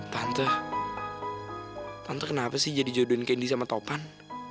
tante kenapa sih jadi jodohin kendi sama topan